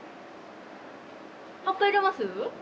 葉っぱ入れます？